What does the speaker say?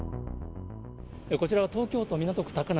こちらは東京都港区高輪。